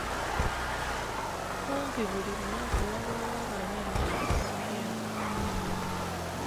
Kumpi buli lunaku wabaawo abalwadde abapya.